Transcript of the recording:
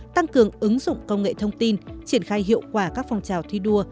tăng cường ứng dụng công nghệ thông tin triển khai hiệu quả các phong trào thi đua